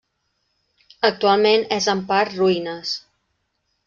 Actualment és en part en ruïnes.